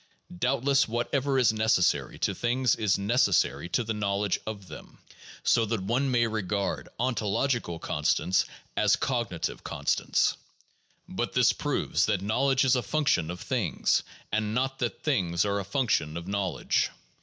Doubtless whatever is neces sary to things is necessary to the knowledge of them; so that one may regard ontological constants as cognitive constants. But this proves that knowledge is a function of things, and not that things are a function of knowledge.